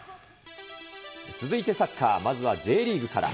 続いてサッカー、まずはＪリーグから。